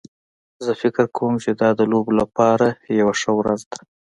زه فکر کوم چې دا د لوبو لپاره یوه ښه ورځ ده